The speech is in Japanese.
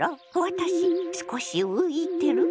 私少し浮いてる？